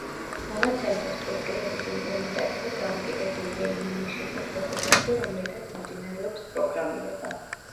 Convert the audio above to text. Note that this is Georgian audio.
მონაცემთა სტრუქტურების იმპლემენტაცია დამოკიდებულია იმ ენის შესაძლებლობებზე, რომლითაც მიმდინარეობს პროგრამირება.